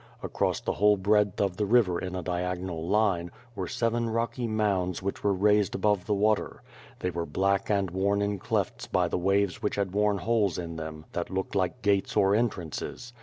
Across the whole breadth of the river in a diagonal line, were seven rooky mounds vhieh were raised above the water. They were black and worn in clefts by the waves which had worn holes in thorn that looked like gates or entmnoes.